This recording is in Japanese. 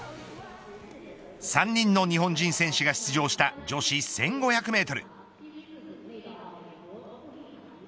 ３人の日本人選手が出場した女子１５００メートル。